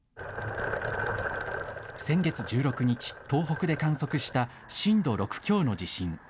先月１６日、東北で観測した震度６強の地震。